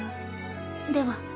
では。